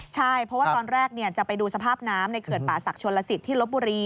ใช่เพราะว่าตอนแรกจะไปดูสภาพน้ำในเขื่อนป่าศักดิชนลสิตที่ลบบุรี